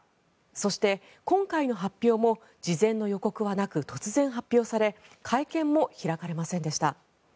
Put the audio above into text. そして、今回の発表も事前の予告はなく突然発表され会見も開かれませんでした。